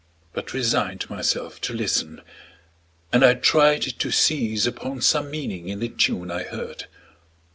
but resigned Myself to listen, and I tried to seize Upon some meaning in the tune I heard.